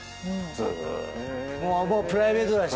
もうプライベートだし。